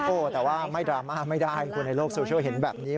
โอ้โหแต่ว่าไม่ดราม่าไม่ได้คนในโลกโซเชียลเห็นแบบนี้